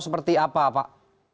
seperti apa pak